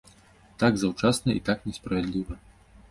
Так заўчасна і так несправядліва.